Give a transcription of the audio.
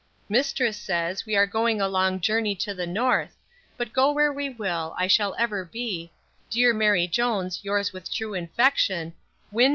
Mistress says, we are going a long gurney to the North; but go where we will, I shall ever be, Dear Mary Jones, Yours with true infection WIN.